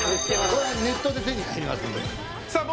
これはネットで手に入りますんでさあ